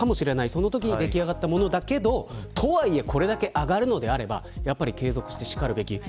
そのときに出来上がったものだけれどとはいえ、これだけ上がるのであれば継続してしかるべき。